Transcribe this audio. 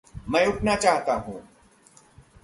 मैं उठना चाहता हूँ।